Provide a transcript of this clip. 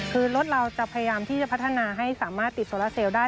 คือรถเราจะพยายามที่จะพัฒนาให้สามารถติดโซลาเซลได้